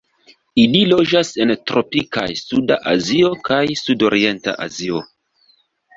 Ili loĝas en tropikaj Suda Azio kaj Sudorienta Azio.